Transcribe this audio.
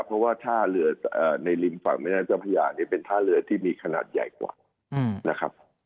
เพราะว่าท่าเรือในริมฝั่งแม่น้ำเจ้าพญาเนี่ยเป็นท่าเรือที่มีขนาดใหญ่กว่านะครับ